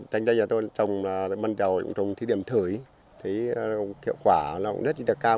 chanh dây nhà tôi trồng bắt đầu trồng thí điểm thử thì kiệu quả nó cũng rất là cao